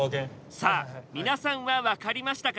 さあ皆さんは分かりましたか？